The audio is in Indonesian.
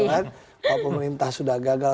dan juga pemerintah sudah gagal